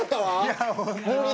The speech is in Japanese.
いや本当に。